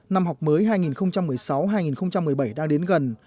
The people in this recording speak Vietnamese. năm học mới hai nghìn một mươi sáu hai nghìn một mươi bảy đang đến gần